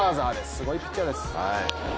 すごいピッチャーです。